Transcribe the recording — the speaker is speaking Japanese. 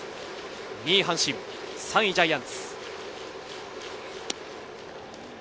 ２位阪神、３位ジャイアンツ。